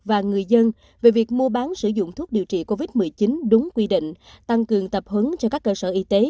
và người dân về việc mua bán sử dụng thuốc điều trị covid một mươi chín đúng quy định tăng cường tập huấn cho các cơ sở y tế